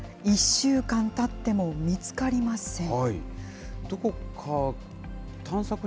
１週間たっても見つかりません。